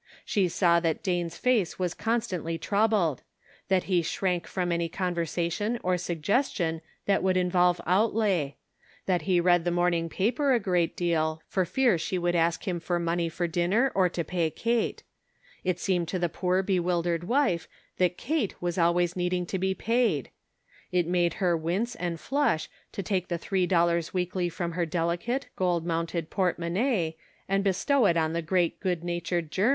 She saw that Dane's face was constantly troubled ; that he shrank from any conversation or suggestion that would involve outlay ; that he read the morning paper a great deal for fear she would ask him for money for dinner or to pay Kate ; it seemed to the poor bewildered wife that Kate was always needing to be paid. It made her wince and flush to take the three dollars weekly from her delicate, gold mounted portmonnaie and bestow it on the great good natured Ger Cake and Benevolence.